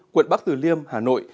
quận bắc từ liêm hà nội